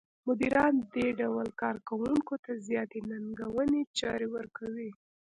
مديران دې ډول کار کوونکو ته زیاتې ننګوونکې چارې ورکوي.